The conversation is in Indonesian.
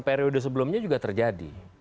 periode sebelumnya juga terjadi